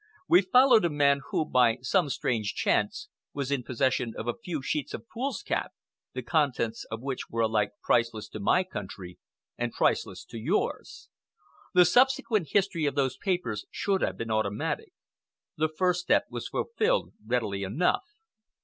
We followed a man who, by some strange chance, was in possession of a few sheets of foolscap, the contents of which were alike priceless to my country and priceless to yours. The subsequent history of those papers should have been automatic. The first step was fulfilled readily enough.